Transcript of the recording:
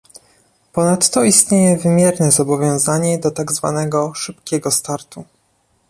Ponadto istnieje wymierne zobowiązanie do tak zwanego "szybkiego startu"